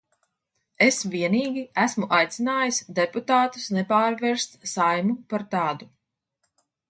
Es vienīgi esmu aicinājis deputātus nepārvērst Saeimu par tādu.